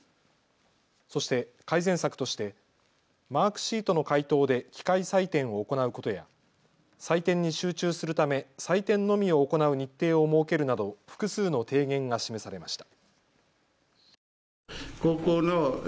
そして改善策としてマークシートの回答で機械採点を行うことや採点に集中するため採点のみを行う日程を設けるなど複数の提言が示されました。